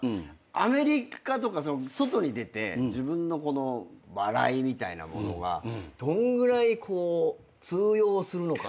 アメリカとか外に出て自分の笑いみたいなものがどんぐらい通用するのかな。